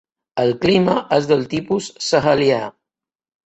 El clima és del tipus sahelià.